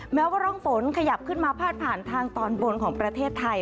แม้ว่าร่องฝนขยับขึ้นมาพาดผ่านทางตอนบนของประเทศไทย